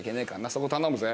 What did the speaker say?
そこ頼むぜ。